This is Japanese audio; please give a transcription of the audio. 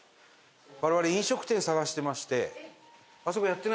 我々飲食店探してまして。